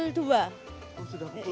sudah pukul dua